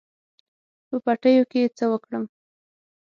په پټیو کې څه وکړم.